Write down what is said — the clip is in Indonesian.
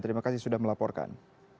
terima kasih sudah melaporkan